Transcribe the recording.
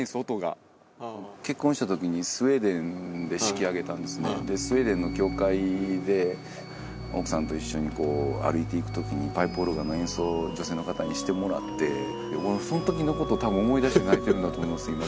音が結婚したときにスウェーデンで式挙げたんですねスウェーデンの教会で奥さんと一緒にこう歩いていくときにパイプオルガンの演奏を女性の方にしてもらってそのときのこと多分思い出して泣いてるんだと思います